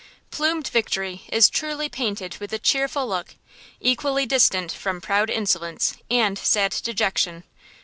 Plumed victory Is truly painted with a cheerful look, Equally distant from proud insolence And sad dejection.